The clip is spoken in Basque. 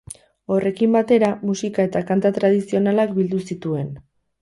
Horrekin batera musika eta kanta tradizionalak bildu zituen.